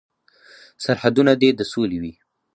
سرحدونه دې د سولې وي.